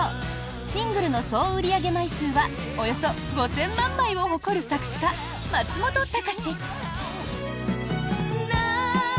シングルの総売上枚数はおよそ５０００万枚を誇る作詞家・松本隆。